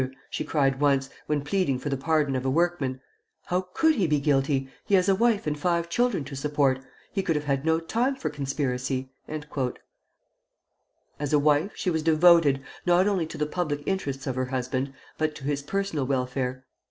_" she cried once, when pleading for the pardon of a workman, "how could he be guilty? He has a wife and five children to support; he could have had no time for conspiracy!" As a wife she was devoted, not only to the public interests of her husband, but to his personal welfare.